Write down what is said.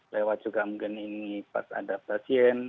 lewat juga mungkin ini pas ada pasien